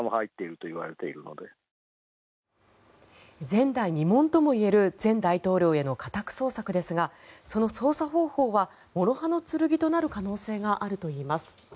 前代未聞ともいえる前大統領への家宅捜索ですがその捜査方法はもろ刃の剣となる可能性があるといいます。